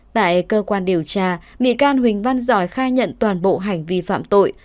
tại cơ quan điều tra bị can huỳnh văn giỏi khai nhận toàn bộ hành vi phạm tội